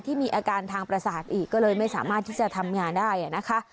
มีอาการทางประสาทอีกก็เลยไม่สามารถที่จะทำงานได้นะคะ